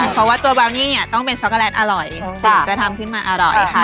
เพราะว่าตัวแบลนี่เนี่ยต้องเป็นช็อกโกแลตอร่อยถึงจะทำขึ้นมาอร่อยค่ะ